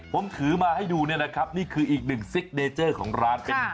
ผมถือมาให้ดูครับนี่คืออีกหนึ่งซิกเนเจอร์ของร้าน